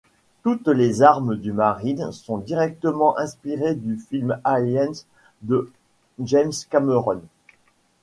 Toutes les armes du marine sont directement inspirées du film Aliens de James Cameron.